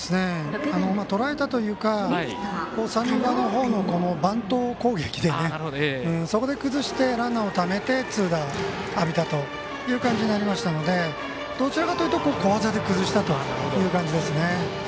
とらえたというか三塁側のホームバント攻撃でねそこで崩してランナーをためて痛打を浴びたという感じになりましたのでどちらかというと小技で崩したという感じですね。